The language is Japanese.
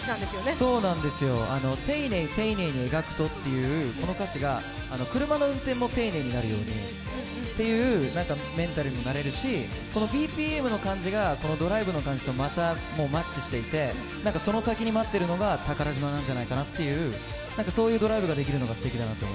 丁寧、丁寧に描くというこの歌詞が車の運転も丁寧になるっていうメンタルにもなれるし、このＢＰＭの感じがドライブの感じとマッチしていてその先に待っているのが宝島なんじゃないかなという、なんかそういうドライブができるのがすてきだなと。